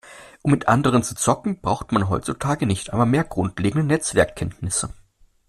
Um mit anderen zu zocken, braucht man heutzutage nicht einmal mehr grundlegende Netzwerkkenntnisse.